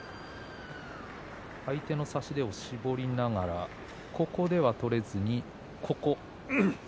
相手の差し手を絞りながら最初は取れずに次。